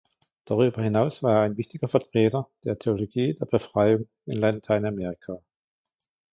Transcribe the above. Darüber hinaus war er ein wichtiger Vertreter der Theologie der Befreiung in Lateinamerika.